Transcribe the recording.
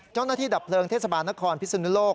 เจ้าหน้าที่ดับเปลืองเทศบาลนครพิศนุโลก